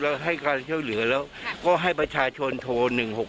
เราก็ให้การเช่าเหลือแล้วก็ให้ประชาชนโทร๑๖๕๙๑๖๙๑๙๑